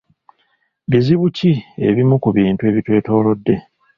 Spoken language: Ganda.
Bizibu ki ebimu ku bintu ebitwetoolodde?